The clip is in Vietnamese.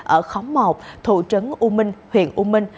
ở khóng một thủ trấn u minh huyện u minh